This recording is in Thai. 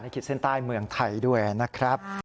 ขีดเส้นใต้เมืองไทยด้วยนะครับ